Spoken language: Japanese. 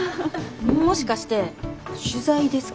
もしかして取材ですか？